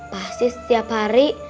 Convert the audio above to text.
pasti setiap hari